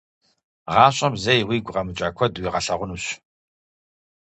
Гъащӏэм зэи уигу къэмыкӏа куэд уигъэлъагъунущ.